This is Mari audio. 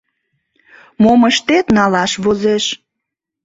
Мом ыштет, налаш возеш...